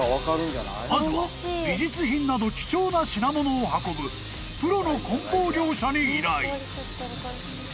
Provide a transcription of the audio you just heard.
［まずは美術品など貴重な品物を運ぶプロの梱包業者に依頼］